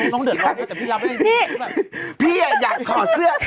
แต่พี่รับได้เลย